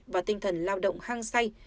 và tinh thần lao động hang say